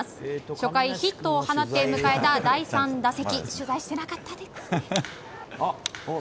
初回、ヒットを放って迎えた第３打席。